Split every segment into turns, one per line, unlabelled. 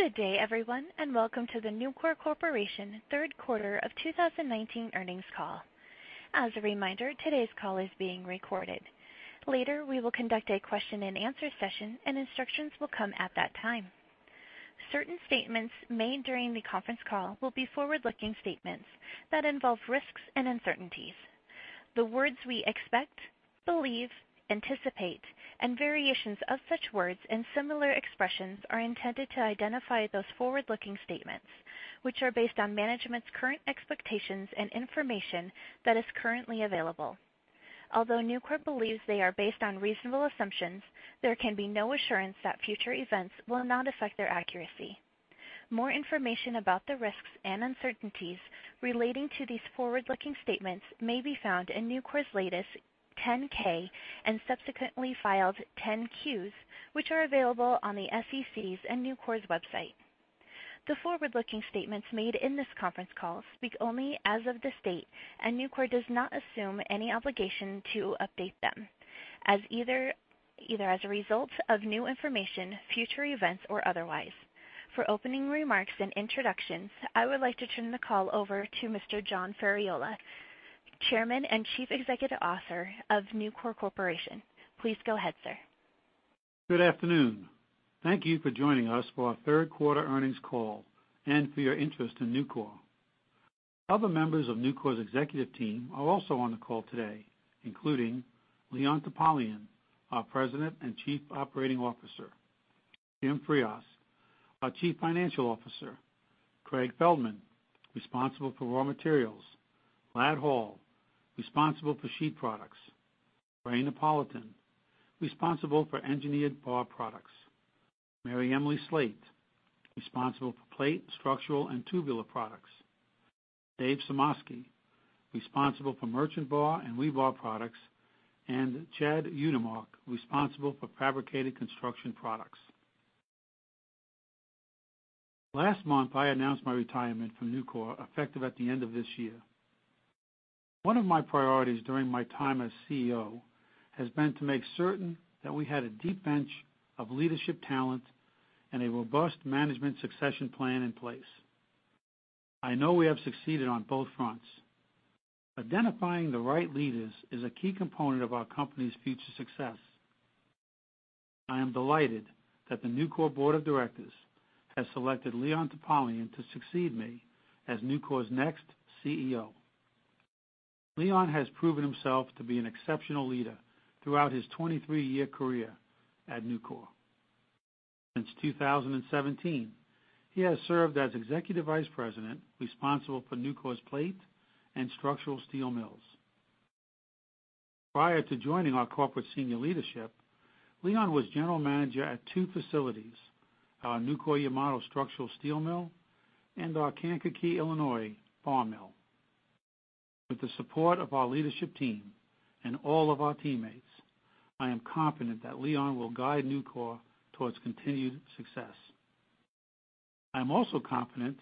Good day, everyone, welcome to the Nucor Corporation third quarter of 2019 earnings call. As a reminder, today's call is being recorded. Later, we will conduct a question and answer session, and instructions will come at that time. Certain statements made during the conference call will be forward-looking statements that involve risks and uncertainties. The words we expect, believe, anticipate, and variations of such words and similar expressions are intended to identify those forward-looking statements, which are based on management's current expectations and information that is currently available. Although Nucor believes they are based on reasonable assumptions, there can be no assurance that future events will not affect their accuracy. More information about the risks and uncertainties relating to these forward-looking statements may be found in Nucor's latest 10-K and subsequently filed 10-Qs, which are available on the SEC's and Nucor's website. The forward-looking statements made in this conference call speak only as of this date, and Nucor does not assume any obligation to update them, either as a result of new information, future events, or otherwise. For opening remarks and introductions, I would like to turn the call over to Mr. John Ferriola, Chairman and Chief Executive Officer of Nucor Corporation. Please go ahead, sir.
Good afternoon. Thank you for joining us for our third quarter earnings call and for your interest in Nucor. Other members of Nucor's executive team are also on the call today, including Leon Topalian, our President and Chief Operating Officer, Jim Frias, our Chief Financial Officer, Craig Feldman, responsible for raw materials, Ladd Hall, responsible for sheet products, Ray Napolitan, responsible for engineered bar products, MaryEmily Slate, responsible for plate, structural, and tubular products, Dave Sumoski, responsible for merchant bar and rebar products, and Chad Utermark, responsible for fabricated construction products. Last month, I announced my retirement from Nucor, effective at the end of this year. One of my priorities during my time as CEO has been to make certain that we had a deep bench of leadership talent and a robust management succession plan in place. I know we have succeeded on both fronts. Identifying the right leaders is a key component of our company's future success. I am delighted that the Nucor Board of Directors has selected Leon Topalian to succeed me as Nucor's next CEO. Leon has proven himself to be an exceptional leader throughout his 23-year career at Nucor. Since 2017, he has served as Executive Vice President, responsible for Nucor's plate and structural steel mills. Prior to joining our corporate senior leadership, Leon was general manager at two facilities, our Nucor-Yamato structural steel mill and our Kankakee, Illinois bar mill. With the support of our leadership team and all of our teammates, I am confident that Leon will guide Nucor towards continued success. I am also confident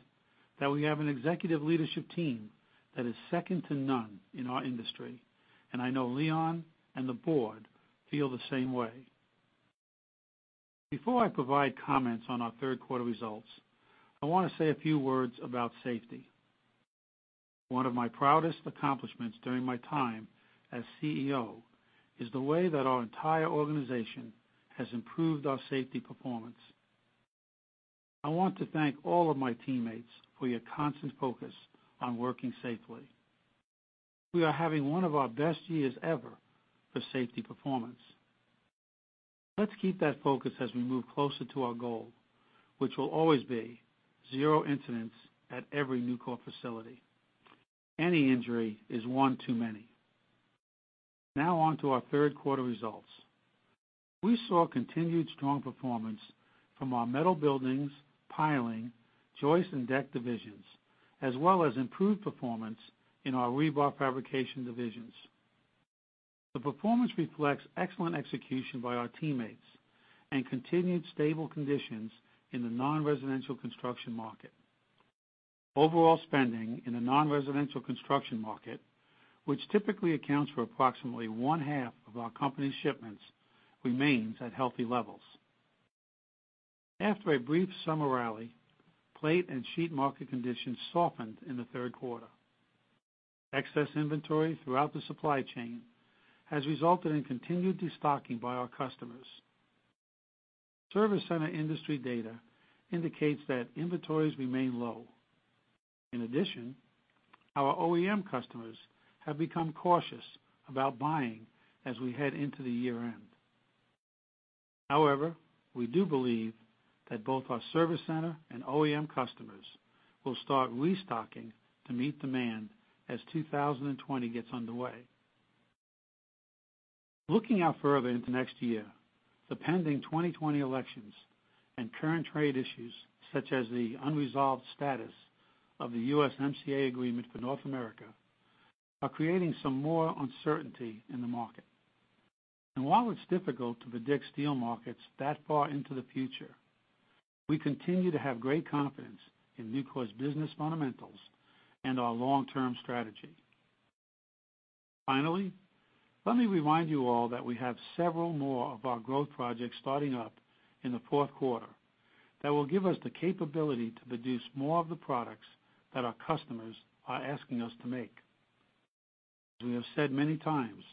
that we have an executive leadership team that is second to none in our industry, and I know Leon and the board feel the same way. Before I provide comments on our third quarter results, I want to say a few words about safety. One of my proudest accomplishments during my time as CEO is the way that our entire organization has improved our safety performance. I want to thank all of my teammates for your constant focus on working safely. We are having one of our best years ever for safety performance. Let's keep that focus as we move closer to our goal, which will always be zero incidents at every Nucor facility. Any injury is one too many. Now on to our third quarter results. We saw continued strong performance from our metal buildings, piling, joist, and deck divisions, as well as improved performance in our rebar fabrication divisions. The performance reflects excellent execution by our teammates and continued stable conditions in the non-residential construction market. Overall spending in the non-residential construction market, which typically accounts for approximately one-half of our company's shipments, remains at healthy levels. After a brief summer rally, plate and sheet market conditions softened in the third quarter. Excess inventory throughout the supply chain has resulted in continued de-stocking by our customers. Service center industry data indicates that inventories remain low. In addition, our OEM customers have become cautious about buying as we head into the year-end. However, we do believe that both our service center and OEM customers will start restocking to meet demand as 2020 gets underway. Looking out further into next year, the pending 2020 elections and current trade issues, such as the unresolved status of the USMCA agreement for North America, are creating some more uncertainty in the market. While it's difficult to predict steel markets that far into the future, we continue to have great confidence in Nucor's business fundamentals and our long-term strategy. Finally, let me remind you all that we have several more of our growth projects starting up in the fourth quarter that will give us the capability to produce more of the products that our customers are asking us to make. As we have said many times,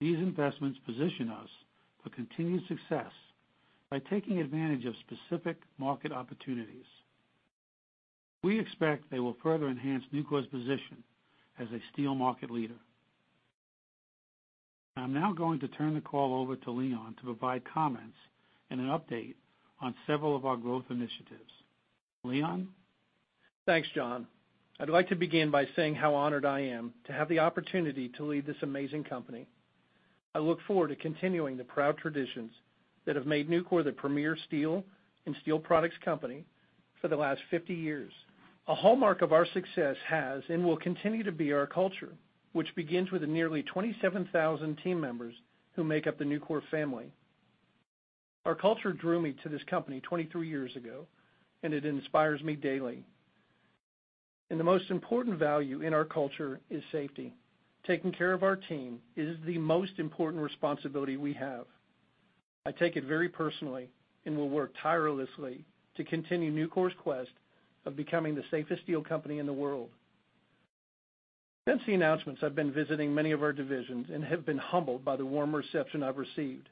these investments position us for continued success by taking advantage of specific market opportunities. We expect they will further enhance Nucor's position as a steel market leader. I'm now going to turn the call over to Leon to provide comments and an update on several of our growth initiatives. Leon?
Thanks, John. I'd like to begin by saying how honored I am to have the opportunity to lead this amazing company. I look forward to continuing the proud traditions that have made Nucor the premier steel and steel products company for the last 50 years. A hallmark of our success has and will continue to be our culture, which begins with the nearly 27,000 team members who make up the Nucor family. Our culture drew me to this company 23 years ago, it inspires me daily. The most important value in our culture is safety. Taking care of our team is the most important responsibility we have. I take it very personally and will work tirelessly to continue Nucor's quest of becoming the safest steel company in the world. Since the announcements, I've been visiting many of our divisions and have been humbled by the warm reception I've received.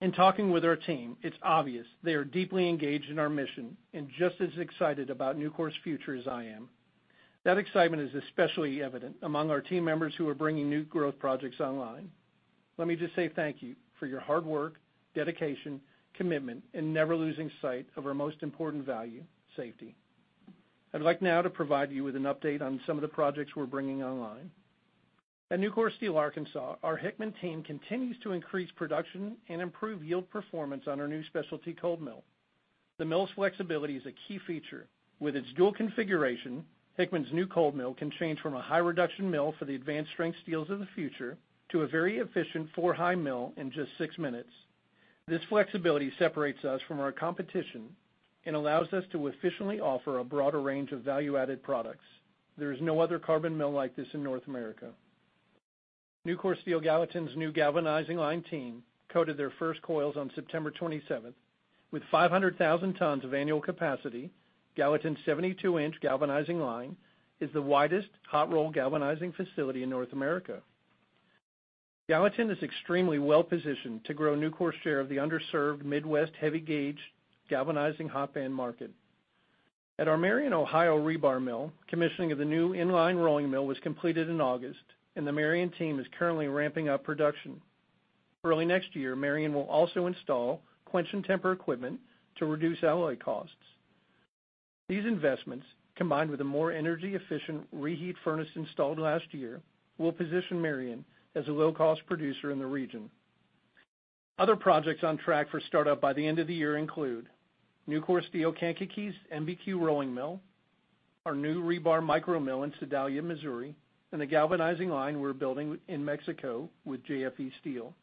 In talking with our team, it's obvious they are deeply engaged in our mission and just as excited about Nucor's future as I am. That excitement is especially evident among our team members who are bringing new growth projects online. Let me just say thank you for your hard work, dedication, commitment, and never losing sight of our most important value, safety. I'd like now to provide you with an update on some of the projects we're bringing online. At Nucor Steel Arkansas, our Hickman team continues to increase production and improve yield performance on our new specialty cold mill. The mill's flexibility is a key feature. With its dual configuration, Hickman's new cold mill can change from a high reduction mill for the advanced strength steels of the future to a very efficient 4-high mill in just 6 minutes. This flexibility separates us from our competition and allows us to efficiently offer a broader range of value-added products. There is no other carbon mill like this in North America. Nucor Steel Gallatin's new galvanizing line team coated their first coils on September 27th. With 500,000 tons of annual capacity, Gallatin's 72-inch galvanizing line is the widest hot-roll galvanizing facility in North America. Gallatin is extremely well-positioned to grow Nucor's share of the underserved Midwest heavy gauge galvanizing hot band market. At our Marion, Ohio rebar mill, commissioning of the new in-line rolling mill was completed in August, and the Marion team is currently ramping up production. Early next year, Marion will also install quench and temper equipment to reduce alloy costs. These investments, combined with a more energy-efficient reheat furnace installed last year, will position Marion as a low-cost producer in the region. Other projects on track for startup by the end of the year include Nucor Steel Kankakee's MBQ rolling mill, our new rebar micro mill in Sedalia, Missouri, and the galvanizing line we're building in Mexico with JFE Steel.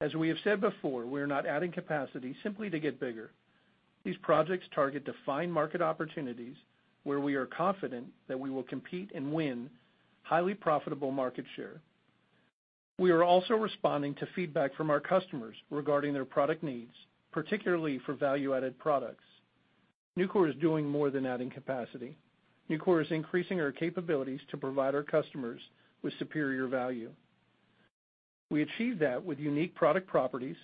As we have said before, we are not adding capacity simply to get bigger. These projects target defined market opportunities where we are confident that we will compete and win highly profitable market share. We are also responding to feedback from our customers regarding their product needs, particularly for value-added products. Nucor is doing more than adding capacity. Nucor is increasing our capabilities to provide our customers with superior value. We achieve that with unique product properties,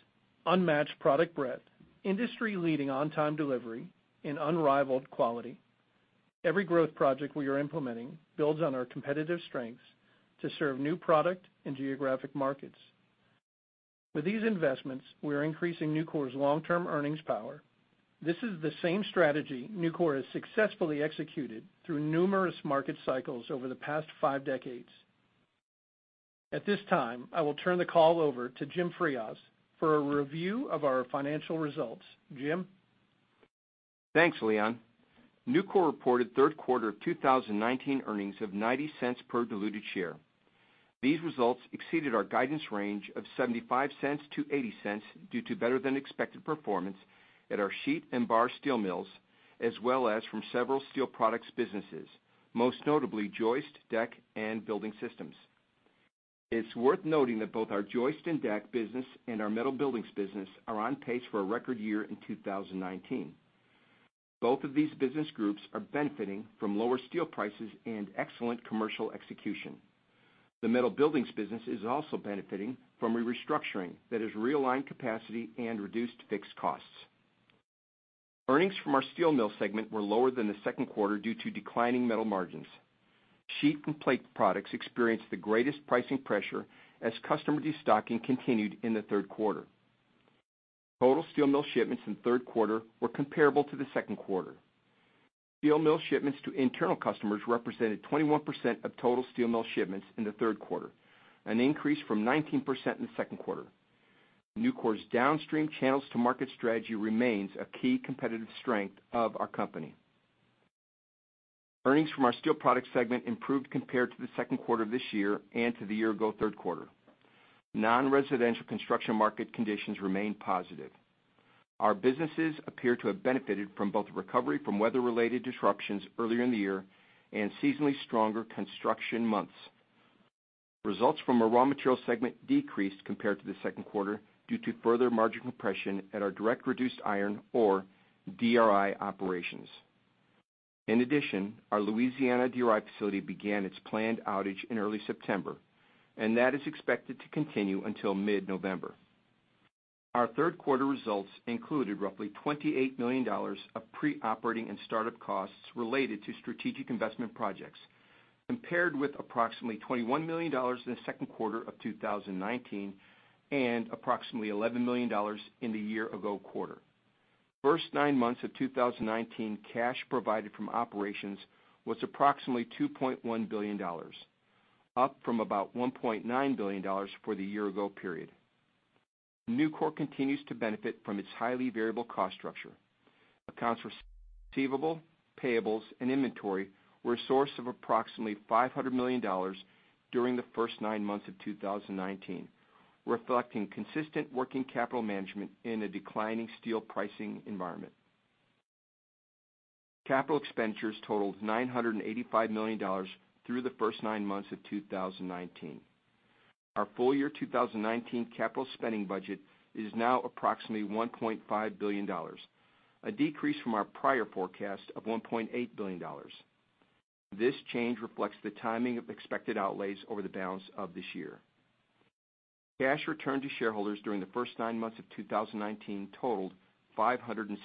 unmatched product breadth, industry-leading on-time delivery, and unrivaled quality. Every growth project we are implementing builds on our competitive strengths to serve new product and geographic markets. With these investments, we are increasing Nucor's long-term earnings power. This is the same strategy Nucor has successfully executed through numerous market cycles over the past five decades. At this time, I will turn the call over to Jim Frias for a review of our financial results. Jim?
Thanks, Leon. Nucor reported third quarter 2019 earnings of $0.90 per diluted share. These results exceeded our guidance range of $0.75-$0.80 due to better-than-expected performance at our sheet and bar steel mills, as well as from several steel products businesses, most notably Joist, Deck, and Building Systems. It's worth noting that both our Joist and Deck business and our Metal Buildings business are on pace for a record year in 2019. Both of these business groups are benefiting from lower steel prices and excellent commercial execution. The Metal Buildings business is also benefiting from a restructuring that has realigned capacity and reduced fixed costs. Earnings from our steel mill segment were lower than the second quarter due to declining metal margins. Sheet and plate products experienced the greatest pricing pressure as customer destocking continued in the third quarter. Total steel mill shipments in the third quarter were comparable to the second quarter. Steel mill shipments to internal customers represented 21% of total steel mill shipments in the third quarter, an increase from 19% in the second quarter. Nucor's downstream channels to market strategy remains a key competitive strength of our company. Earnings from our steel products segment improved compared to the second quarter of this year and to the year-ago third quarter. Non-residential construction market conditions remain positive. Our businesses appear to have benefited from both the recovery from weather-related disruptions earlier in the year and seasonally stronger construction months. Results from our raw material segment decreased compared to the second quarter due to further margin compression at our direct reduced iron, or DRI, operations. In addition, our Louisiana DRI facility began its planned outage in early September, and that is expected to continue until mid-November. Our third quarter results included roughly $28 million of pre-operating and startup costs related to strategic investment projects, compared with approximately $21 million in the second quarter of 2019 and approximately $11 million in the year-ago quarter. First nine months of 2019, cash provided from operations was approximately $2.1 billion, up from about $1.9 billion for the year-ago period. Nucor continues to benefit from its highly variable cost structure. Accounts receivable, payables, and inventory were a source of approximately $500 million during the first nine months of 2019, reflecting consistent working capital management in a declining steel pricing environment. Capital expenditures totaled $985 million through the first nine months of 2019. Our full-year 2019 capital spending budget is now approximately $1.5 billion, a decrease from our prior forecast of $1.8 billion. This change reflects the timing of expected outlays over the balance of this year. Cash returned to shareholders during the first nine months of 2019 totaled $567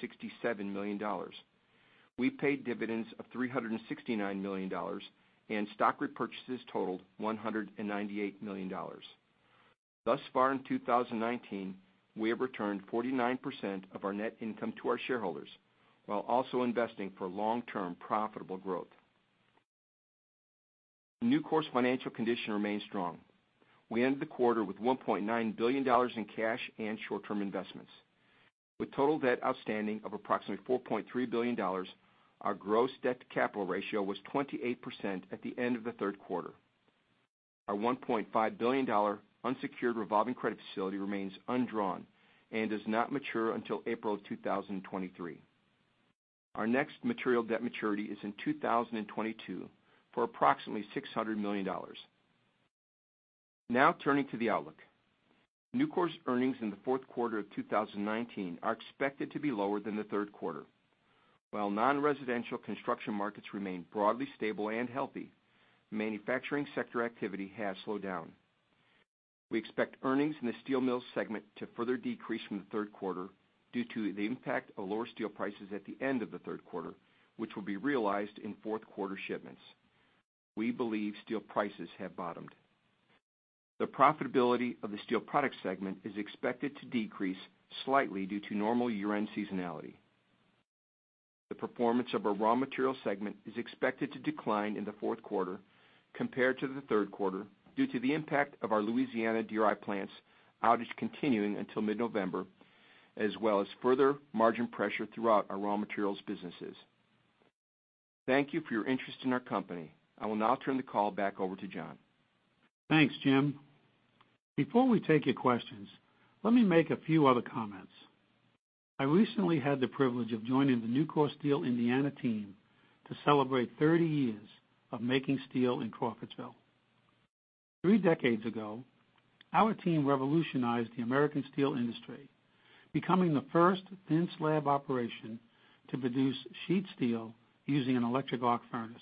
million. We paid dividends of $369 million. Stock repurchases totaled $198 million. Thus far in 2019, we have returned 49% of our net income to our shareholders while also investing for long-term profitable growth. Nucor's financial condition remains strong. We ended the quarter with $1.9 billion in cash and short-term investments. With total debt outstanding of approximately $4.3 billion, our gross debt to capital ratio was 28% at the end of the third quarter. Our $1.5 billion unsecured revolving credit facility remains undrawn and does not mature until April of 2023. Our next material debt maturity is in 2022 for approximately $600 million. Turning to the outlook. Nucor's earnings in the fourth quarter of 2019 are expected to be lower than the third quarter. While non-residential construction markets remain broadly stable and healthy, the manufacturing sector activity has slowed down. We expect earnings in the steel mill segment to further decrease from the third quarter due to the impact of lower steel prices at the end of the third quarter, which will be realized in fourth quarter shipments. We believe steel prices have bottomed. The profitability of the steel products segment is expected to decrease slightly due to normal year-end seasonality. The performance of our raw material segment is expected to decline in the fourth quarter compared to the third quarter due to the impact of our Louisiana DRI plant's outage continuing until mid-November, as well as further margin pressure throughout our raw materials businesses. Thank you for your interest in our company. I will now turn the call back over to John.
Thanks, Jim. Before we take your questions, let me make a few other comments. I recently had the privilege of joining the Nucor Steel Indiana team to celebrate 30 years of making steel in Crawfordsville. Three decades ago, our team revolutionized the American steel industry, becoming the first thin slab operation to produce sheet steel using an electric arc furnace.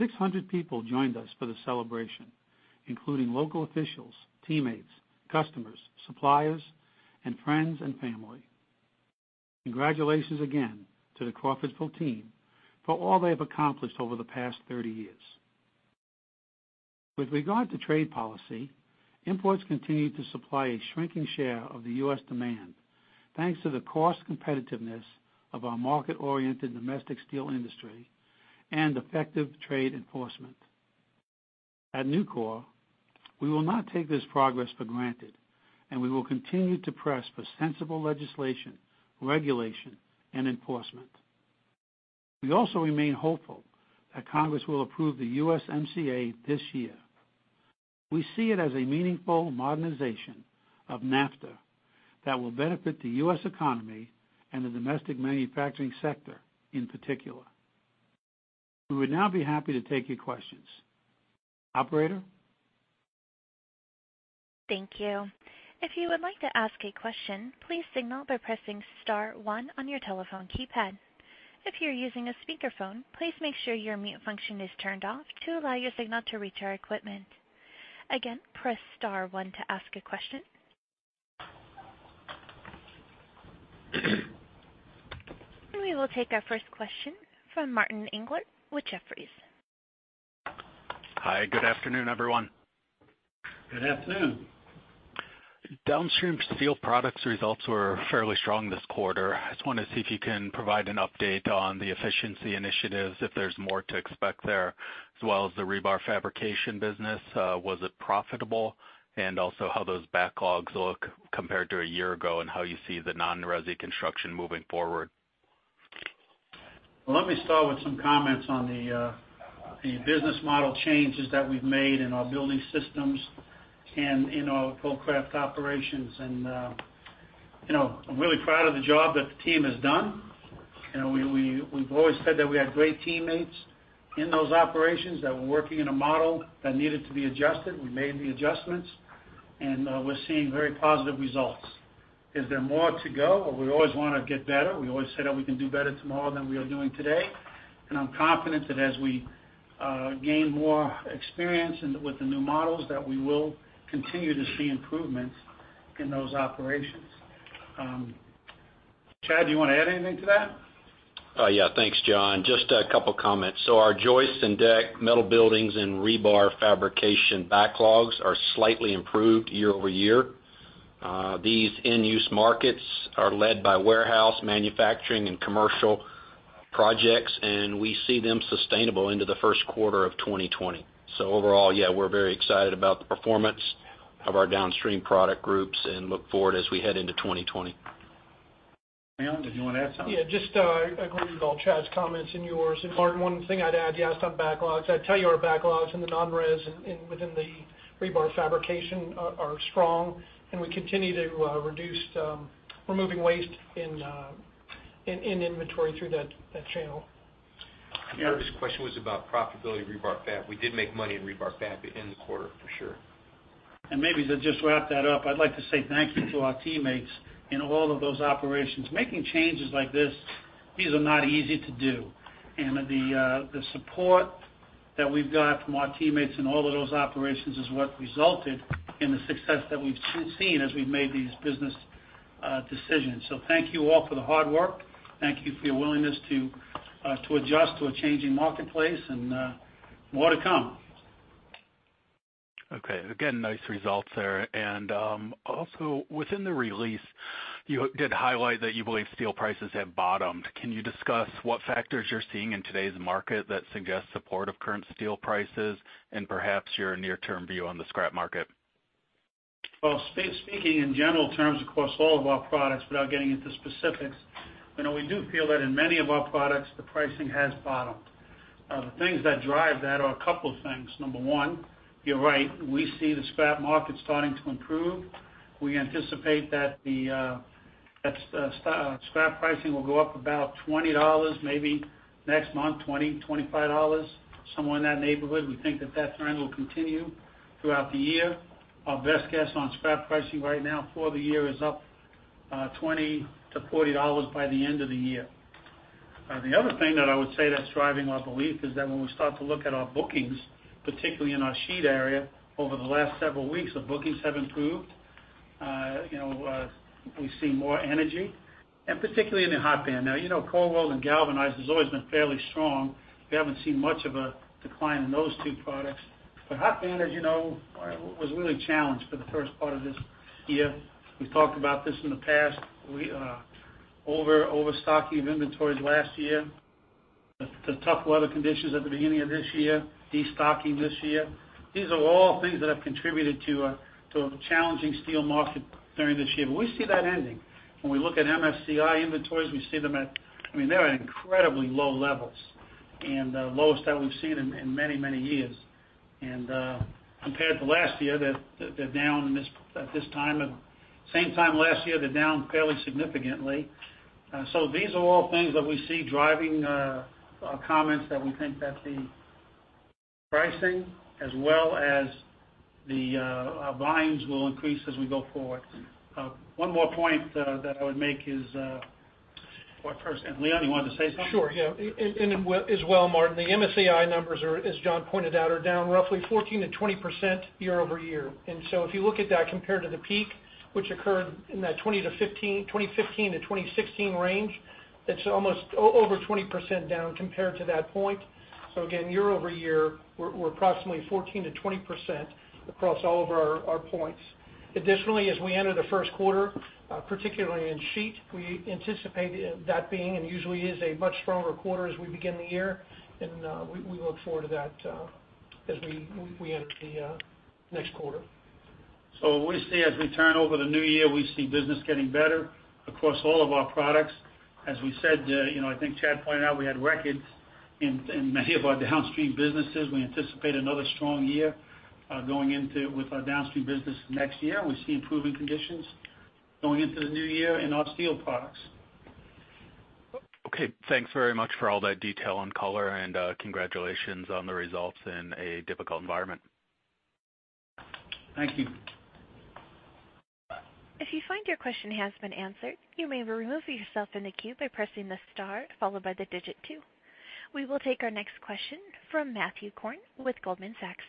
600 people joined us for the celebration, including local officials, teammates, customers, suppliers, and friends and family. Congratulations again to the Crawfordsville team for all they have accomplished over the past 30 years. With regard to trade policy, imports continue to supply a shrinking share of the U.S. demand, thanks to the cost competitiveness of our market-oriented domestic steel industry and effective trade enforcement. At Nucor, we will not take this progress for granted, and we will continue to press for sensible legislation, regulation, and enforcement. We also remain hopeful that Congress will approve the USMCA this year. We see it as a meaningful modernization of NAFTA that will benefit the U.S. economy and the domestic manufacturing sector in particular. We would now be happy to take your questions. Operator?
Thank you. If you would like to ask a question, please signal by pressing *1 on your telephone keypad. If you're using a speakerphone, please make sure your mute function is turned off to allow your signal to reach our equipment. Again, press *1 to ask a question. We will take our first question from Martin Englert with Jefferies.
Hi, good afternoon, everyone.
Good afternoon.
Downstream steel products results were fairly strong this quarter. I just wanted to see if you can provide an update on the efficiency initiatives, if there's more to expect there, as well as the rebar fabrication business. Was it profitable? Also how those backlogs look compared to a year ago, and how you see the non-resi construction moving forward.
Well, let me start with some comments on the business model changes that we've made in our building systems and in our Vulcraft operations. I'm really proud of the job that the team has done. We've always said that we have great teammates in those operations, that we're working in a model that needed to be adjusted. We made the adjustments, and we're seeing very positive results. Is there more to go? Well, we always want to get better. We always say that we can do better tomorrow than we are doing today, and I'm confident that as we gain more experience with the new models, that we will continue to see improvements in those operations. Chad, do you want to add anything to that?
Yeah. Thanks, John. Just a couple of comments. Our joists and deck metal buildings and rebar fabrication backlogs are slightly improved year-over-year. These in-use markets are led by warehouse manufacturing and commercial projects, and we see them sustainable into the first quarter of 2020. Overall, yeah, we're very excited about the performance of our downstream product groups and look forward as we head into 2020.
Leon, did you want to add something?
Yeah, just agreeing with all Chad's comments and yours. Martin, one thing I'd add, yes, on backlogs. I tell you, our backlogs in the non-res and within the rebar fabrication are strong, and we continue removing waste in inventory through that channel.
I know this question was about profitability of rebar fab. We did make money in rebar fab in the quarter, for sure.
Maybe to just wrap that up, I'd like to say thank you to our teammates in all of those operations. Making changes like this, these are not easy to do, and the support that we've got from our teammates in all of those operations is what resulted in the success that we've seen as we've made these business decisions. Thank you all for the hard work. Thank you for your willingness to adjust to a changing marketplace, and more to come.
Okay, again, nice results there. Also, within the release, you did highlight that you believe steel prices have bottomed. Can you discuss what factors you're seeing in today's market that suggest support of current steel prices and perhaps your near-term view on the scrap market?
Well, speaking in general terms across all of our products, without getting into specifics, we do feel that in many of our products, the pricing has bottomed. The things that drive that are a couple things. Number one, you're right, we see the scrap market starting to improve. We anticipate that scrap pricing will go up about $20 maybe next month, $20-$25, somewhere in that neighborhood. We think that trend will continue throughout the year. Our best guess on scrap pricing right now for the year is up $20-$40 by the end of the year. The other thing that I would say that's driving our belief is that when we start to look at our bookings, particularly in our sheet area, over the last several weeks, the bookings have improved. We've seen more energy, and particularly in the hot band. Cold rolled and galvanized has always been fairly strong. We haven't seen much of a decline in those two products. Hot band, as you know, was really challenged for the first part of this year. We've talked about this in the past. Overstocking of inventories last year, the tough weather conditions at the beginning of this year, destocking this year. These are all things that have contributed to a challenging steel market during this year. We see that ending. When we look at MSCI inventories, we see them at incredibly low levels and the lowest that we've seen in many, many years. Compared to last year, same time last year, they're down fairly significantly. These are all things that we see driving our comments that we think that the pricing as well as the volumes will increase as we go forward. One more point that I would make, Leon, you wanted to say something?
Sure, yeah. As well, Martin, the MSCI numbers are, as John pointed out, are down roughly 14%-20% year-over-year. If you look at that compared to the peak, which occurred in that 2015-2016 range, it's almost over 20% down compared to that point. Again, year-over-year, we're approximately 14%-20% across all of our points. Additionally, as we enter the first quarter, particularly in sheet, we anticipate that being, and usually is a much stronger quarter as we begin the year, and we look forward to that as we enter the next quarter.
We see as we turn over the new year, we see business getting better across all of our products. As we said, I think Chad Utermark pointed out we had records in many of our downstream businesses. We anticipate another strong year going into with our downstream business next year. We see improving conditions going into the new year in our steel products.
Okay. Thanks very much for all that detail and color, and congratulations on the results in a difficult environment.
Thank you.
If you find your question has been answered, you may remove yourself in the queue by pressing the star followed by the digit 2. We will take our next question from Matthew Korn with Goldman Sachs.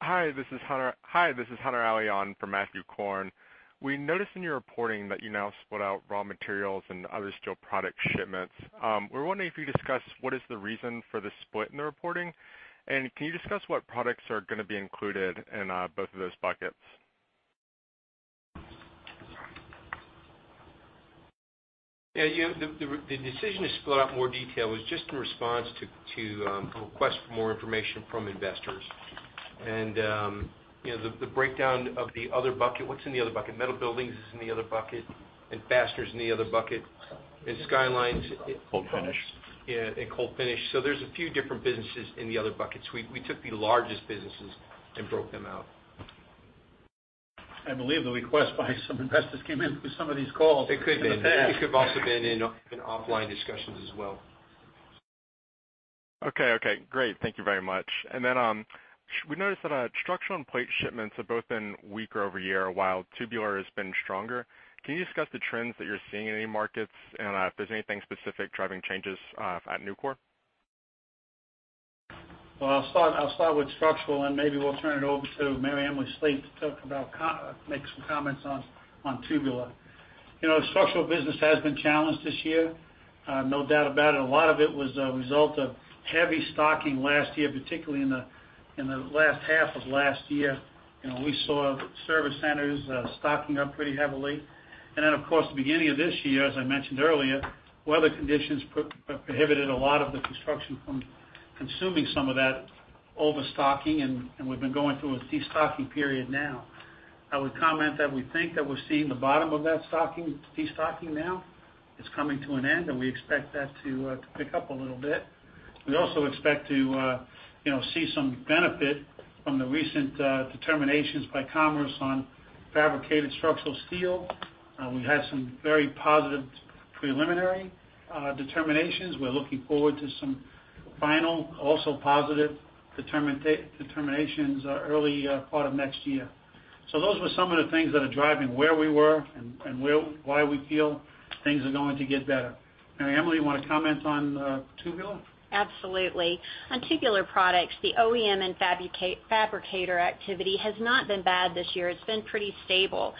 Hi, this is Hunter Avallone for Matthew Korn. We noticed in your reporting that you now split out raw materials and other steel product shipments. We're wondering if you discuss what is the reason for the split in the reporting, and can you discuss what products are going to be included in both of those buckets?
Yeah. The decision to split out more detail was just in response to a request for more information from investors.
The breakdown of the other bucket. What's in the other bucket? Metal buildings is in the other bucket, and fasteners in the other bucket, and Skyline-
Cold finish.
Yeah, cold finish. There's a few different businesses in the other bucket. We took the largest businesses and broke them out.
I believe the request by some investors came in through some of these calls.
It could have been. It could've also been in offline discussions as well.
Okay. Great. Thank you very much. We noticed that structural and plate shipments have both been weaker year-over-year, while tubular has been stronger. Can you discuss the trends that you're seeing in any markets, and if there's anything specific driving changes at Nucor?
Well, I'll start with structural, and maybe we'll turn it over to MaryEmily Slate to make some comments on tubular. Structural business has been challenged this year. No doubt about it. A lot of it was a result of heavy stocking last year, particularly in the last half of last year. We saw service centers stocking up pretty heavily. Of course, the beginning of this year, as I mentioned earlier, weather conditions prohibited a lot of the construction from consuming some of that overstocking, and we've been going through a destocking period now. I would comment that we think that we're seeing the bottom of that destocking now. It's coming to an end, and we expect that to pick up a little bit. We also expect to see some benefit from the recent determinations by Commerce on fabricated structural steel. We've had some very positive preliminary determinations. We're looking forward to some final, also positive determinations early part of next year. Those were some of the things that are driving where we were and why we feel things are going to get better. MaryEmily, you want to comment on tubular?
Absolutely. On tubular products, the OEM and fabricator activity has not been bad this year. It's been pretty stable.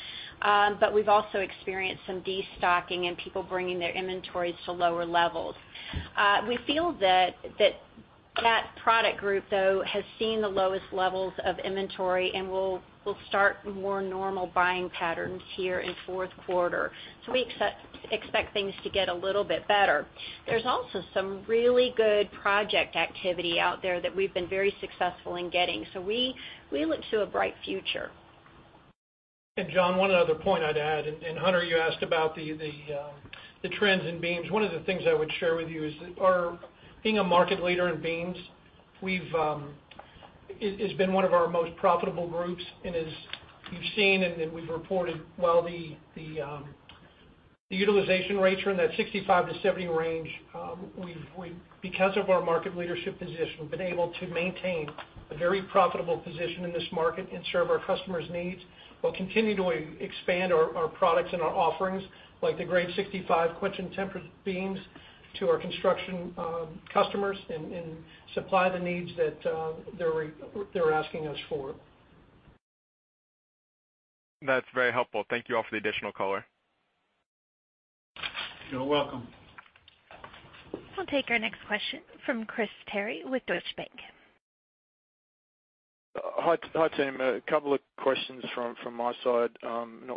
We've also experienced some destocking and people bringing their inventories to lower levels. We feel that that product group, though, has seen the lowest levels of inventory and will start more normal buying patterns here in fourth quarter. We expect things to get a little bit better. There's also some really good project activity out there that we've been very successful in getting. We look to a bright future.
John, one other point I'd add, Hunter Avallone, you asked about the trends in beams. One of the things I would share with you is that our being a market leader in beams, it's been one of our most profitable groups, and as you've seen and we've reported, while the utilization rates are in that 65-70 range, because of our market leadership position, we've been able to maintain a very profitable position in this market and serve our customers' needs. We'll continue to expand our products and our offerings, like the Grade 65 Quench and Temper beams to our construction customers and supply the needs that they're asking us for.
That's very helpful. Thank you all for the additional color.
You're welcome.
We'll take our next question from Chris Terry with Deutsche Bank.
Hi, team. A couple of questions from my side.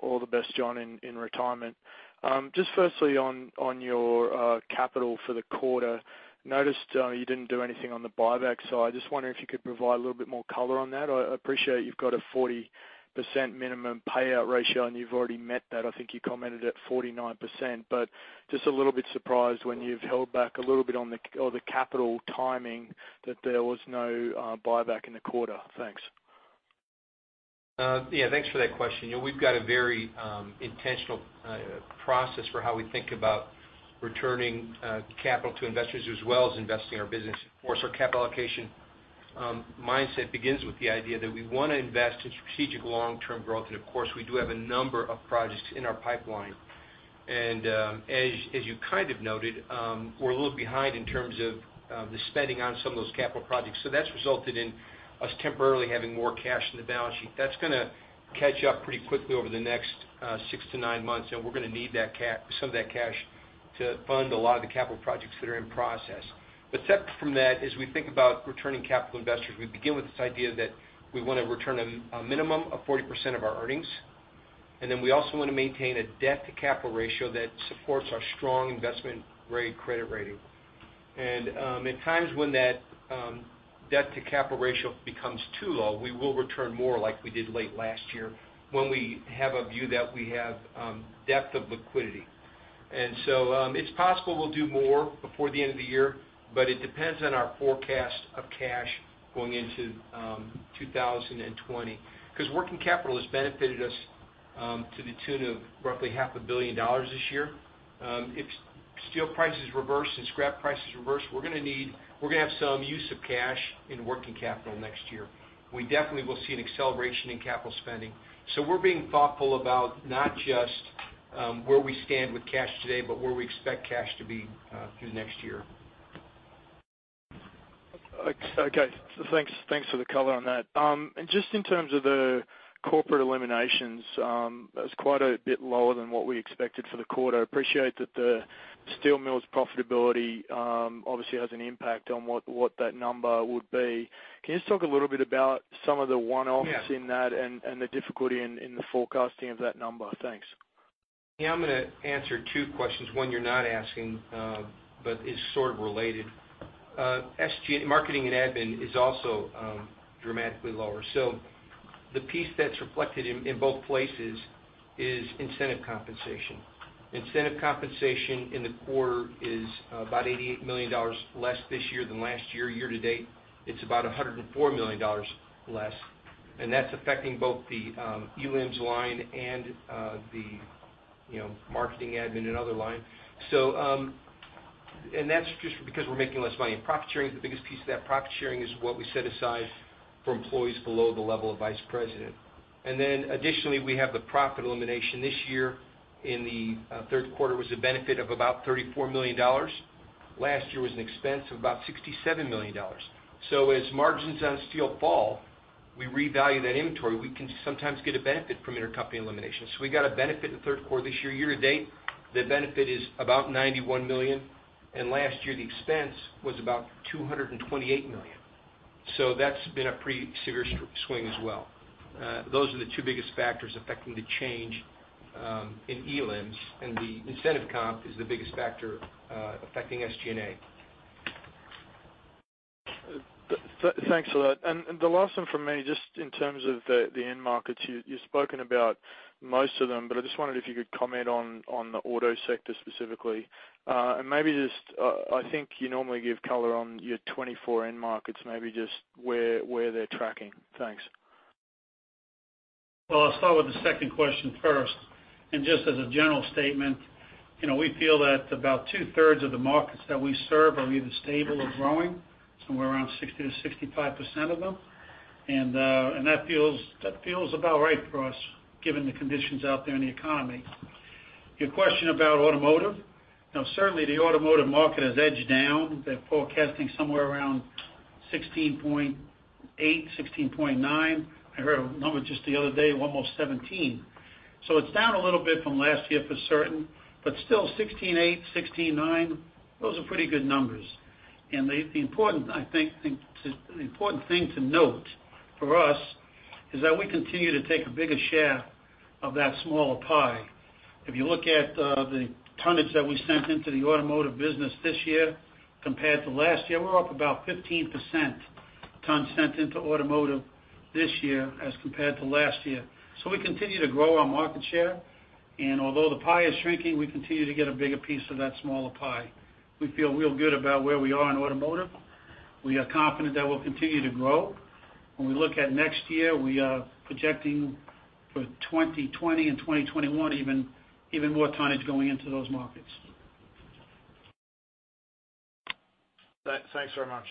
All the best, John, in retirement. Just firstly, on your capital for the quarter, noticed you didn't do anything on the buyback side. Just wondering if you could provide a little bit more color on that. I appreciate you've got a 40% minimum payout ratio, and you've already met that. I think you commented at 49%, but just a little bit surprised when you've held back a little bit on the capital timing that there was no buyback in the quarter. Thanks.
Yeah. Thanks for that question. We've got a very intentional process for how we think about returning capital to investors, as well as investing in our business. Of course, our capital allocation mindset begins with the idea that we want to invest in strategic long-term growth, and of course, we do have a number of projects in our pipeline. As you kind of noted, we're a little behind in terms of the spending on some of those capital projects. That's resulted in us temporarily having more cash in the balance sheet. That's going to catch up pretty quickly over the next six to nine months, and we're going to need some of that cash to fund a lot of the capital projects that are in process. Separate from that, as we think about returning capital to investors, we begin with this idea that we want to return a minimum of 40% of our earnings. We also want to maintain a debt-to-capital ratio that supports our strong investment-grade credit rating. In times when that debt-to-capital ratio becomes too low, we will return more like we did late last year, when we have a view that we have depth of liquidity. It's possible we'll do more before the end of the year, but it depends on our forecast of cash going into 2020, because working capital has benefited us to the tune of roughly half a billion dollars this year. If steel prices reverse and scrap prices reverse, we're going to have some use of cash in working capital next year. We definitely will see an acceleration in capital spending. We're being thoughtful about not just where we stand with cash today, but where we expect cash to be through next year.
Okay. Thanks for the color on that. Just in terms of the corporate eliminations, that was quite a bit lower than what we expected for the quarter. I appreciate that the steel mills' profitability obviously has an impact on what that number would be. Can you just talk a little bit about some of the one-offs in that and the difficulty in the forecasting of that number? Thanks.
Yeah, I'm going to answer two questions. One you're not asking, but is sort of related. SG marketing and admin is also dramatically lower. The piece that's reflected in both places is incentive compensation. Incentive compensation in the quarter is about $88 million less this year than last year. Year to date, it's about $104 million less, and that's affecting both the ELIMs line and the marketing admin and other line. That's just because we're making less money. Profit sharing is the biggest piece of that. Profit sharing is what we set aside for employees below the level of vice president. Additionally, we have the profit elimination this year in the third quarter was a benefit of about $34 million. Last year was an expense of about $67 million. As margins on steel fall, we revalue that inventory. We can sometimes get a benefit from intercompany elimination. We got a benefit in the third quarter this year. Year to date, the benefit is about $91 million, and last year the expense was about $228 million. That's been a pretty severe swing as well. Those are the two biggest factors affecting the change in ELIMs, and the incentive comp is the biggest factor affecting SG&A.
Thanks for that. The last one from me, just in terms of the end markets, you've spoken about most of them, but I just wondered if you could comment on the auto sector specifically. Maybe just, I think you normally give color on your 24 end markets, maybe just where they're tracking. Thanks.
Well, I'll start with the second question first, and just as a general statement, we feel that about two-thirds of the markets that we serve are either stable or growing, somewhere around 60%-65% of them. That feels about right for us, given the conditions out there in the economy. Your question about automotive. Now, certainly the automotive market has edged down. They're forecasting somewhere around 16.8, 16.9. I heard a number just the other day, almost 17. It's down a little bit from last year for certain, but still 16.8, 16.9, those are pretty good numbers. The important thing to note for us is that we continue to take a bigger share of that smaller pie. If you look at the tonnage that we sent into the automotive business this year compared to last year, we're up about 15% ton sent into automotive this year as compared to last year. We continue to grow our market share, and although the pie is shrinking, we continue to get a bigger piece of that smaller pie. We feel real good about where we are in automotive. We are confident that we'll continue to grow. When we look at next year, we are projecting for 2020 and 2021 even more tonnage going into those markets.
Thanks very much.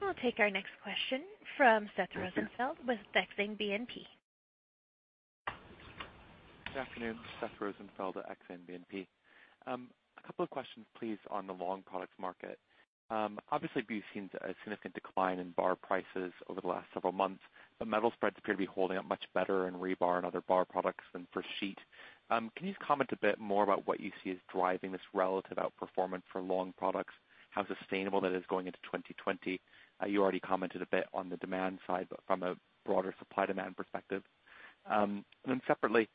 We'll take our next question from Seth Rosenfeld with Exane BNP.
Good afternoon. Seth Rosenfeld at Exane BNP. A couple of questions, please, on the long products market. Obviously, we've seen a significant decline in bar prices over the last several months, but metal spreads appear to be holding up much better in rebar and other bar products than for sheet. Can you just comment a bit more about what you see as driving this relative outperformance for long products? How sustainable that is going into 2020, you already commented a bit on the demand side, but from a broader supply-demand perspective? Separately,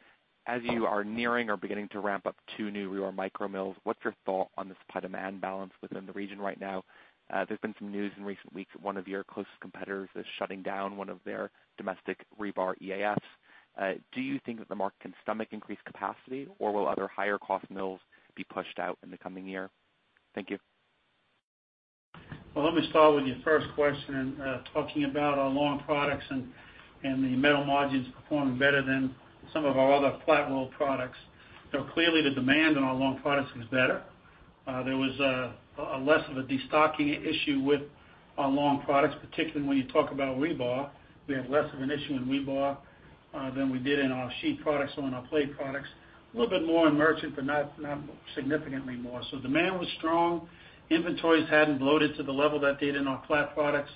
as you are nearing or beginning to ramp up two new rebar micro mills, what's your thought on the supply-demand balance within the region right now? There's been some news in recent weeks that one of your closest competitors is shutting down one of their domestic rebar EAFs. Do you think that the market can stomach increased capacity, or will other higher-cost mills be pushed out in the coming year? Thank you.
Well, let me start with your first question, talking about our long products and the metal margins performing better than some of our other flat roll products. Clearly, the demand on our long products is better. There was a less of a de-stocking issue with our long products, particularly when you talk about rebar. We have less of an issue in rebar than we did in our sheet products or in our plate products. A little bit more in merchant, but not significantly more. Demand was strong. Inventories hadn't bloated to the level that they did in our flat products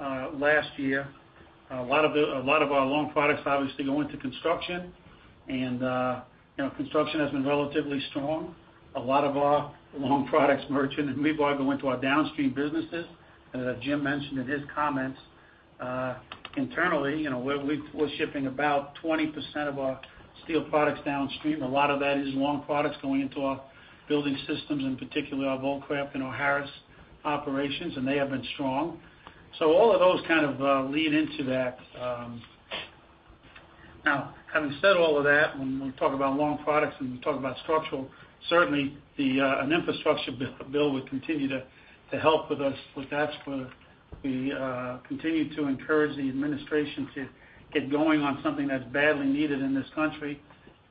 last year. A lot of our long products obviously go into construction, and construction has been relatively strong. A lot of our long products merchant and rebar go into our downstream businesses. As Jim mentioned in his comments, internally, we're shipping about 20% of our steel products downstream. A lot of that is long products going into our building systems, in particular our Vulcraft and Verco operations, and they have been strong. All of those kind of lead into that. Now, having said all of that, when we talk about long products and we talk about structural, certainly an infrastructure bill would continue to help with us with that. We continue to encourage the administration to get going on something that's badly needed in this country,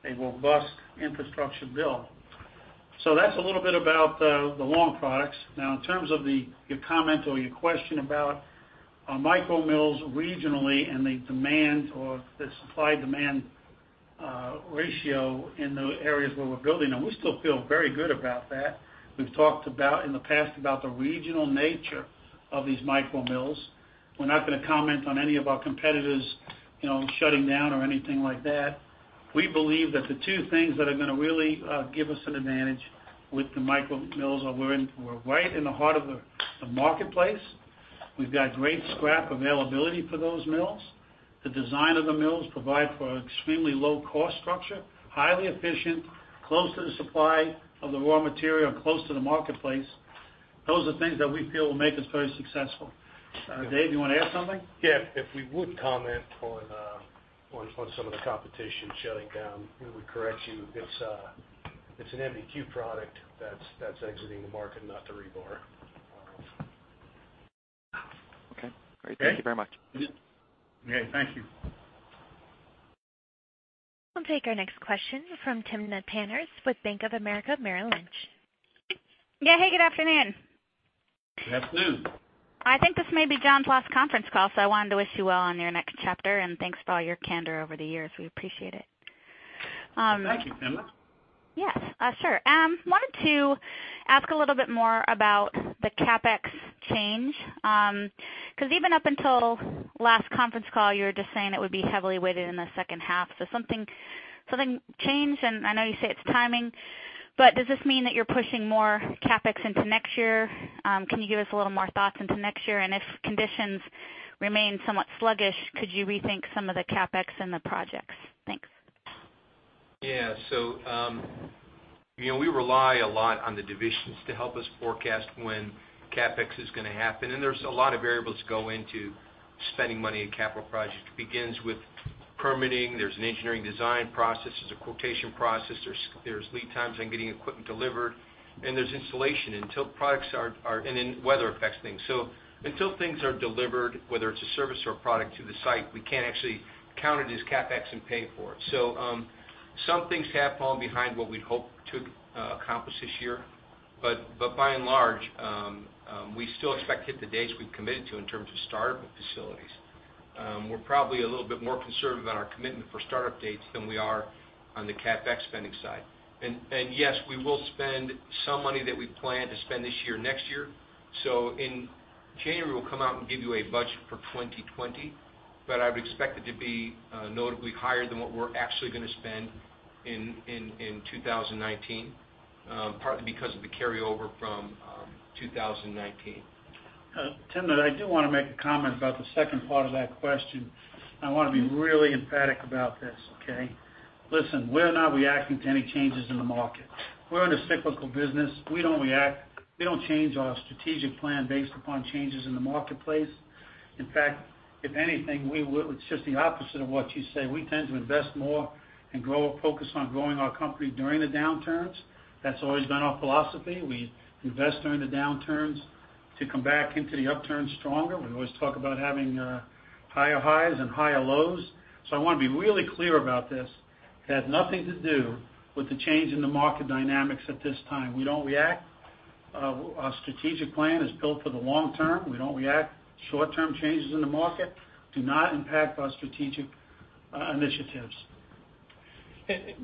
a robust infrastructure bill. That's a little bit about the long products. Now, in terms of your comment or your question about our micromills regionally and the demand or the supply-demand ratio in the areas where we're building them, we still feel very good about that. We've talked about, in the past, about the regional nature of these micromills. We're not going to comment on any of our competitors shutting down or anything like that. We believe that the two things that are going to really give us an advantage with the micromills are we're right in the heart of the marketplace. We've got great scrap availability for those mills. The design of the mills provide for extremely low cost structure, highly efficient, close to the supply of the raw material, and close to the marketplace. Those are the things that we feel will make us very successful. Dave, you want to add something?
Yeah. If we would comment on some of the competition shutting down, we would correct you. It's an MBQ product that's exiting the market, not the rebar.
Okay. Great.
Okay?
Thank you very much.
Mm-hmm. Okay, thank you.
We'll take our next question from Timna Tanners with Bank of America Merrill Lynch.
Yeah. Hey, good afternoon.
Good afternoon.
I think this may be John's last conference call. I wanted to wish you well on your next chapter, and thanks for all your candor over the years. We appreciate it.
Thank you, Timna.
Yes. Sure. Wanted to ask a little bit more about the CapEx change. Even up until last conference call, you were just saying it would be heavily weighted in the second half. Something changed, and I know you say it's timing, but does this mean that you're pushing more CapEx into next year? Can you give us a little more thoughts into next year? If conditions remain somewhat sluggish, could you rethink some of the CapEx and the projects? Thanks.
Yeah. We rely a lot on the divisions to help us forecast when CapEx is going to happen, and there's a lot of variables that go into spending money in capital projects. It begins with permitting. There's an engineering design process. There's a quotation process. There's lead times on getting equipment delivered, and there's installation. Weather affects things. Until things are delivered, whether it's a service or a product to the site, we can't actually count it as CapEx and pay for it. Some things have fallen behind what we'd hope to accomplish this year. By and large, we still expect to hit the dates we've committed to in terms of startup of facilities. We're probably a little bit more conservative on our commitment for startup dates than we are on the CapEx spending side. Yes, we will spend some money that we plan to spend this year, next year. In January, we'll come out and give you a budget for 2020, but I would expect it to be notably higher than what we're actually going to spend in 2019, partly because of the carryover from 2019.
Timna, I do want to make a comment about the second part of that question. I want to be really emphatic about this, okay. Listen, we're not reacting to any changes in the market. We're in a cyclical business. We don't react. We don't change our strategic plan based upon changes in the marketplace. In fact, if anything, it's just the opposite of what you say. We tend to invest more and focus on growing our company during the downturns. That's always been our philosophy. We invest during the downturns to come back into the upturn stronger. We always talk about having higher highs and higher lows. I want to be really clear about this. It has nothing to do with the change in the market dynamics at this time. We don't react. Our strategic plan is built for the long term. We don't react. Short-term changes in the market do not impact our strategic initiatives.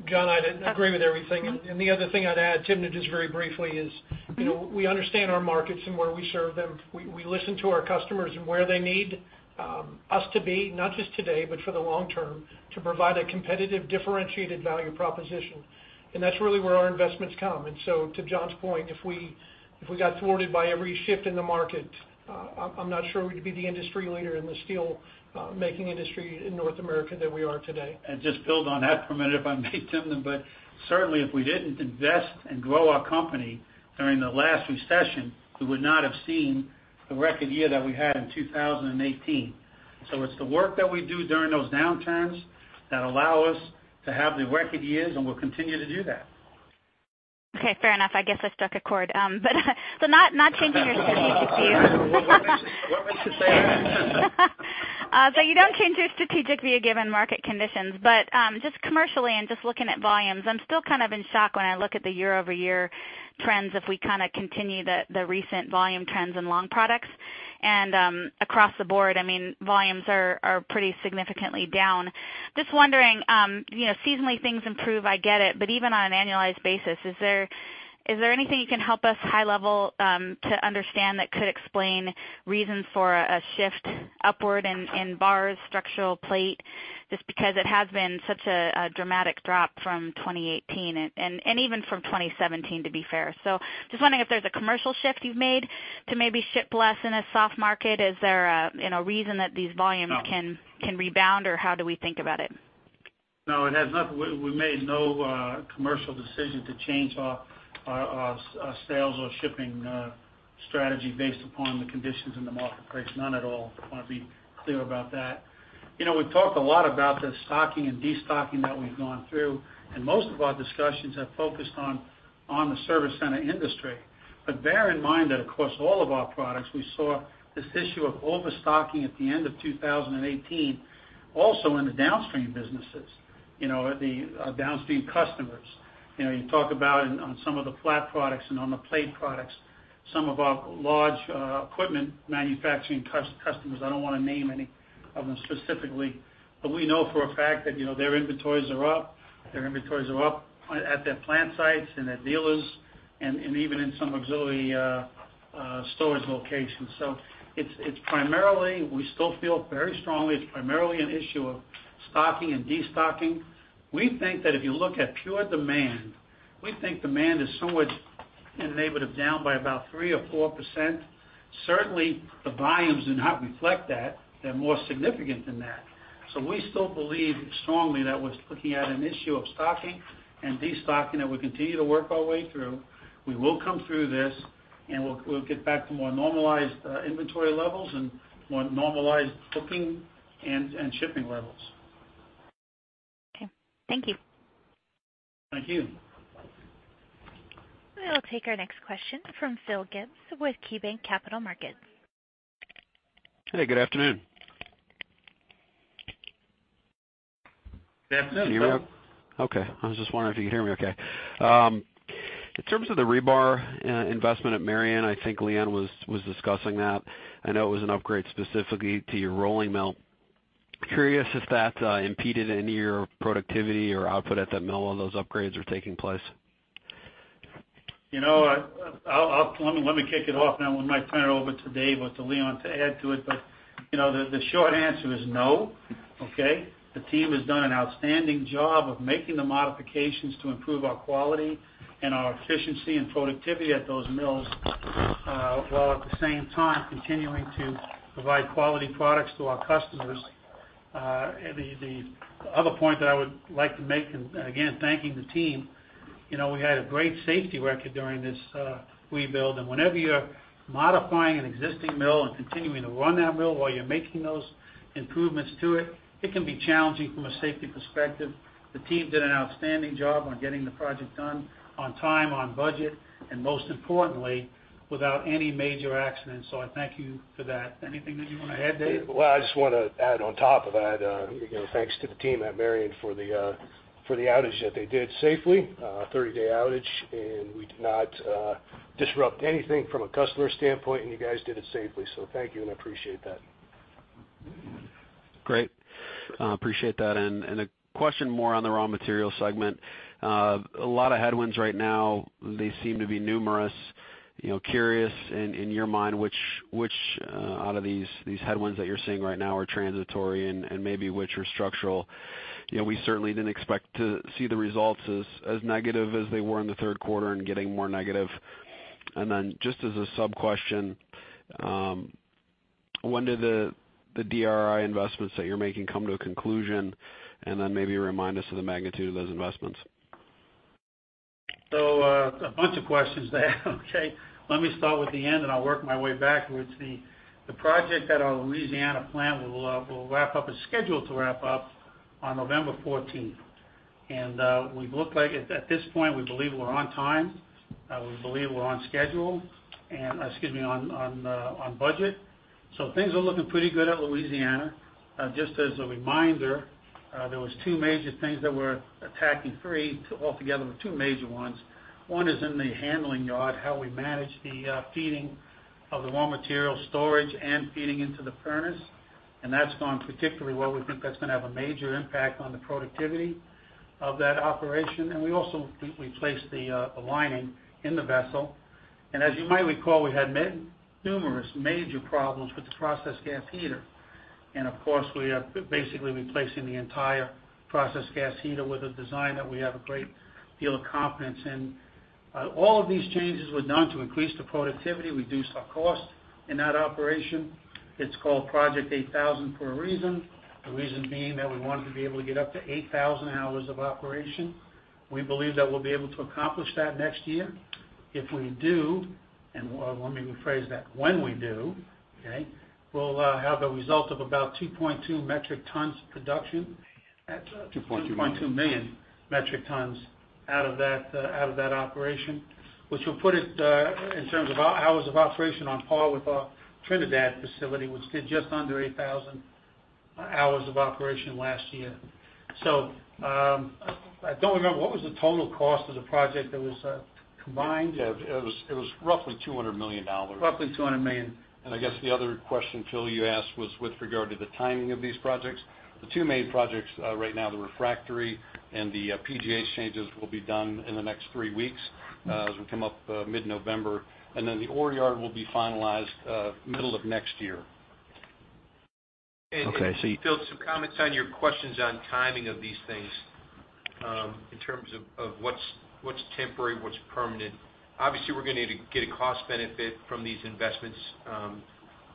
John, I agree with everything. The other thing I'd add, Timna, just very briefly is, we understand our markets and where we serve them. We listen to our customers and where they need us to be, not just today, but for the long term, to provide a competitive, differentiated value proposition. That's really where our investments come. To John's point, if we got thwarted by every shift in the market, I'm not sure we'd be the industry leader in the steel-making industry in North America that we are today.
Just build on that for a minute, if I may, Timna, but certainly if we didn't invest and grow our company during the last recession, we would not have seen the record year that we had in 2018. It's the work that we do during those downturns that allow us to have the record years, and we'll continue to do that.
Okay, fair enough. I guess I struck a chord. Not changing your strategic view.
What makes you say that?
You don't change your strategic view given market conditions. Just commercially and just looking at volumes, I'm still kind of in shock when I look at the year-over-year trends if we continue the recent volume trends in long products. Across the board, volumes are pretty significantly down. Just wondering, seasonally things improve, I get it, but even on an annualized basis, is there anything you can help us high level to understand that could explain reasons for a shift upward in bars, structural plate? Just because it has been such a dramatic drop from 2018, and even from 2017, to be fair. Just wondering if there's a commercial shift you've made to maybe ship less in a soft market. Is there a reason that these volumes?
No
can rebound, or how do we think about it?
No. We made no commercial decision to change our sales or shipping strategy based upon the conditions in the marketplace. None at all. I want to be clear about that. We've talked a lot about the stocking and de-stocking that we've gone through, and most of our discussions have focused on the service center industry. Bear in mind that across all of our products, we saw this issue of overstocking at the end of 2018, also in the downstream businesses, the downstream customers. You talk about on some of the flat products and on the plate products. Some of our large equipment manufacturing customers, I don't want to name any of them specifically, but we know for a fact that their inventories are up. Their inventories are up at their plant sites and their dealers, and even in some auxiliary storage locations. We still feel very strongly it's primarily an issue of stocking and de-stocking. We think that if you look at pure demand, we think demand is somewhere in the neighborhood of down by about 3% or 4%. Certainly, the volumes do not reflect that. They're more significant than that. We still believe strongly that we're looking at an issue of stocking and de-stocking that we continue to work our way through. We will come through this, and we'll get back to more normalized inventory levels and more normalized booking and shipping levels.
Okay. Thank you.
Thank you.
We'll take our next question from Philip Gibbs with KeyBanc Capital Markets.
Hey, good afternoon.
Good afternoon, Phil.
Can you hear me okay? I was just wondering if you could hear me okay. In terms of the rebar investment at Marion, I think Leon was discussing that. I know it was an upgrade specifically to your rolling mill. Curious if that impeded any of your productivity or output at that mill while those upgrades were taking place.
Let me kick it off, and then we might turn it over to David or to Leon to add to it. The short answer is no. Okay? The team has done an outstanding job of making the modifications to improve our quality and our efficiency and productivity at those mills, while at the same time continuing to provide quality products to our customers. The other point that I would like to make, and again, thanking the team, we had a great safety record during this rebuild. Whenever you're modifying an existing mill and continuing to run that mill while you're making those improvements to it can be challenging from a safety perspective. The team did an outstanding job on getting the project done on time, on budget, and most importantly, without any major accidents. I thank you for that. Anything that you want to add, David?
I just want to add on top of that, again, thanks to the team at Marion for the outage that they did safely. A 30-day outage, we did not disrupt anything from a customer standpoint, you guys did it safely. Thank you, I appreciate that.
Great. Appreciate that. A question more on the raw material segment. A lot of headwinds right now. They seem to be numerous. Curious, in your mind, which out of these headwinds that you're seeing right now are transitory and maybe which are structural? We certainly didn't expect to see the results as negative as they were in the third quarter and getting more negative. Just as a sub-question, when do the DRI investments that you're making come to a conclusion? Maybe remind us of the magnitude of those investments.
A bunch of questions there. Okay. Let me start with the end, and I'll work my way backwards. The project at our Louisiana plant is scheduled to wrap up on November 14th. At this point, we believe we're on time. We believe we're on budget. Things are looking pretty good at Louisiana. Just as a reminder, there was two major things that we're attacking. Three altogether, two major ones. One is in the handling yard, how we manage the feeding of the raw material storage and feeding into the furnace, and that's gone particularly well. We think that's going to have a major impact on the productivity of that operation. We also replaced the lining in the vessel. As you might recall, we had numerous major problems with the process gas heater. Of course, we are basically replacing the entire process gas heater with a design that we have a great deal of confidence in. All of these changes were done to increase the productivity, reduce our cost in that operation. It's called Project 8000 for a reason. The reason being that we wanted to be able to get up to 8,000 hours of operation. We believe that we'll be able to accomplish that next year. If we do, and let me rephrase that. When we do, okay, we'll have a result of about 2.2 metric tons of production.
$2.2 million.
2.2 million metric tons out of that operation, which will put it, in terms of hours of operation, on par with our Trinidad facility, which did just under 8,000 hours of operation last year. I don't remember. What was the total cost of the project that was combined?
It was roughly $200 million.
Roughly $200 million.
I guess the other question, Phil, you asked was with regard to the timing of these projects. The two main projects right now, the refractory and the PGH changes, will be done in the next three weeks, as we come up mid-November. Then the ore yard will be finalized middle of next year.
Okay.
Phil, some comments on your questions on timing of these things, in terms of what's temporary, what's permanent. Obviously, we're going to get a cost benefit from these investments.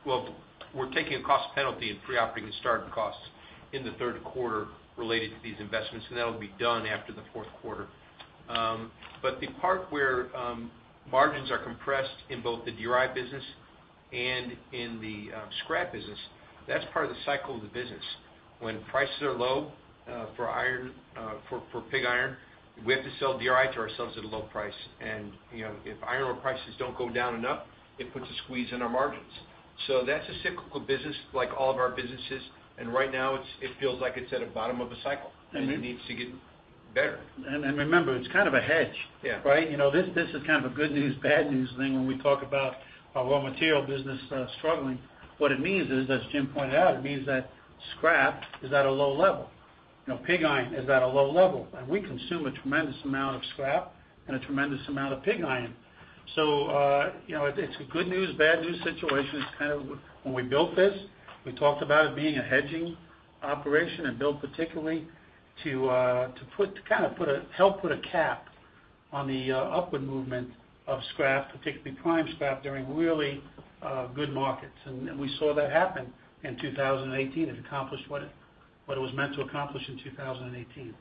Well, we're taking a cost penalty in pre-operating and starting costs in the third quarter related to these investments, and that'll be done after the fourth quarter. The part where margins are compressed in both the DRI business and in the scrap business, that's part of the cycle of the business. When prices are low for pig iron, we have to sell DRI to ourselves at a low price. If iron ore prices don't go down enough, it puts a squeeze in our margins. That's a cyclical business like all of our businesses, and right now it feels like it's at a bottom of a cycle, and it needs to get better. Remember, it's kind of a hedge.
Yeah.
Right? This is kind of a good news, bad news thing when we talk about our raw material business struggling. What it means is, as Jim pointed out, it means that scrap is at a low level. Pig iron is at a low level. We consume a tremendous amount of scrap and a tremendous amount of pig iron. It's a good news, bad news situation. It's kind of when we built this, we talked about it being a hedging operation and built particularly to help put a cap on the upward movement of scrap, particularly prime scrap, during really good markets, and we saw that happen in 2018. It accomplished what it was meant to accomplish in 2018.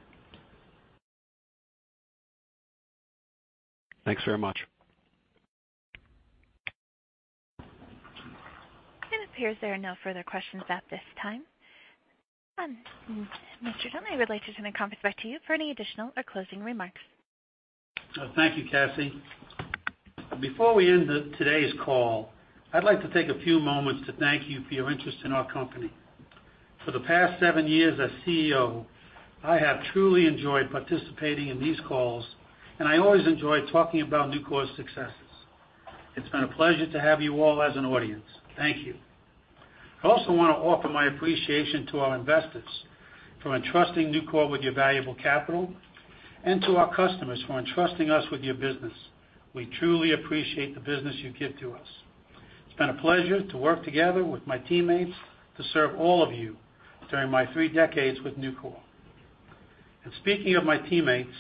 Thanks very much.
It appears there are no further questions at this time. [John], I would like to turn the conference back to you for any additional or closing remarks.
Thank you, Cassie. Before we end today's call, I'd like to take a few moments to thank you for your interest in our company. For the past seven years as CEO, I have truly enjoyed participating in these calls, and I always enjoy talking about Nucor's successes. It's been a pleasure to have you all as an audience. Thank you. I also want to offer my appreciation to our investors for entrusting Nucor with your valuable capital, and to our customers for entrusting us with your business. We truly appreciate the business you give to us. It's been a pleasure to work together with my teammates to serve all of you during my three decades with Nucor. Speaking of my teammates,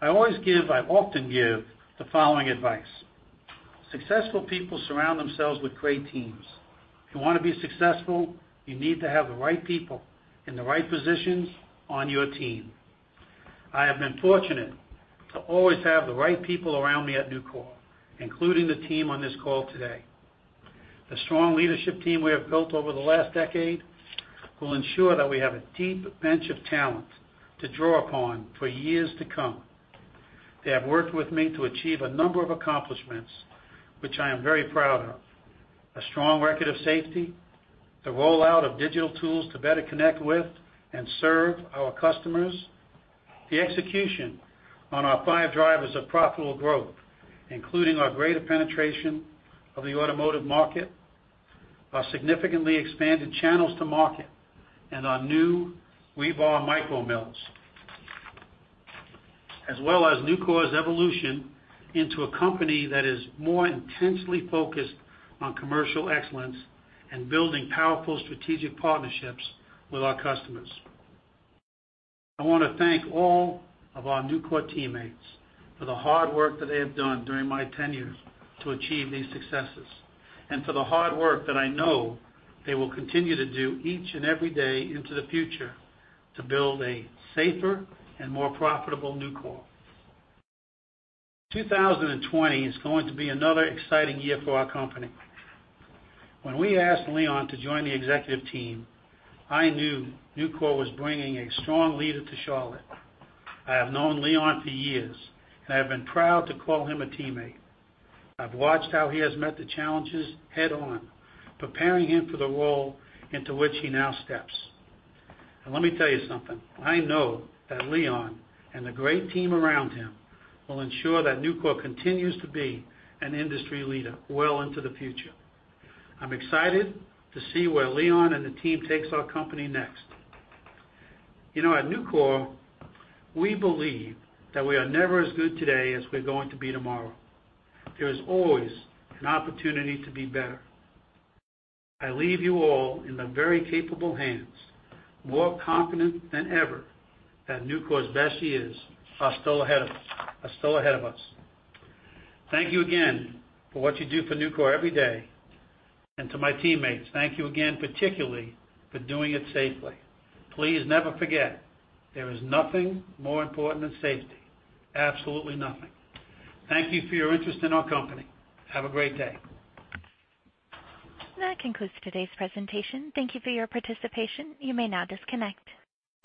I often give the following advice: successful people surround themselves with great teams. If you want to be successful, you need to have the right people in the right positions on your team. I have been fortunate to always have the right people around me at Nucor, including the team on this call today. The strong leadership team we have built over the last decade will ensure that we have a deep bench of talent to draw upon for years to come. They have worked with me to achieve a number of accomplishments, which I am very proud of. A strong record of safety, the rollout of digital tools to better connect with and serve our customers, the execution on our five drivers of profitable growth, including our greater penetration of the automotive market, our significantly expanded channels to market, and our new rebar micro mill. As well as Nucor's evolution into a company that is more intensely focused on commercial excellence and building powerful strategic partnerships with our customers. I want to thank all of our Nucor teammates for the hard work that they have done during my tenure to achieve these successes, and for the hard work that I know they will continue to do each and every day into the future to build a safer and more profitable Nucor. 2020 is going to be another exciting year for our company. When we asked Leon to join the executive team, I knew Nucor was bringing a strong leader to Charlotte. I have known Leon for years, and I have been proud to call him a teammate. I've watched how he has met the challenges head on, preparing him for the role into which he now steps. Let me tell you something, I know that Leon and the great team around him will ensure that Nucor continues to be an industry leader well into the future. I'm excited to see where Leon and the team takes our company next. At Nucor, we believe that we are never as good today as we're going to be tomorrow. There is always an opportunity to be better. I leave you all in the very capable hands, more confident than ever that Nucor's best years are still ahead of us. Thank you again for what you do for Nucor every day. To my teammates, thank you again particularly for doing it safely. Please never forget, there is nothing more important than safety. Absolutely nothing. Thank you for your interest in our company. Have a great day.
That concludes today's presentation. Thank you for your participation. You may now disconnect.